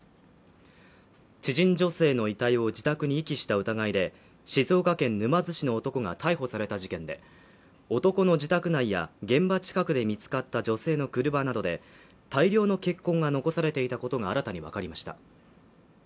知人女性の遺体を自宅に遺棄した疑いで、静岡県沼津市の男が逮捕された事件で、男の自宅内や現場近くで見つかった女性の車などで大量の血痕が残されていたことが新たにわかりました。